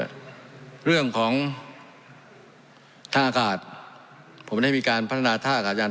อ่ะเรื่องของท่าอากาศผมจะให้พิการพัฒนาท่ากาศยาน